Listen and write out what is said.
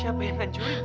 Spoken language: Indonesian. siapa yang ngacuri tak